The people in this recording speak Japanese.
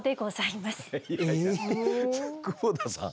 久保田さん